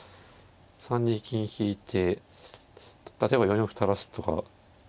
３二金引いて例えば４四歩垂らすとか。